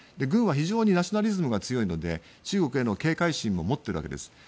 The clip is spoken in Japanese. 軍は非常にナショナリズムが強いので中国への警戒心も持っているわけです。